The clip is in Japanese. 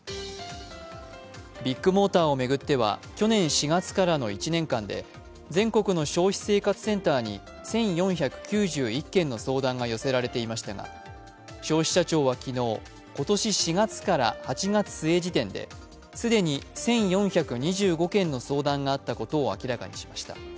ビッグモーターを巡っては去年４月からの１年間で全国の消費生活センターに１４９１件の相談が寄せられていましたが消費者庁は昨日、今年４月から８月末時点で既に１４２５件の相談があったことを明らかにしました。